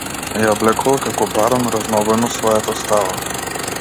Ја облекувал како барон разнобојно својата става.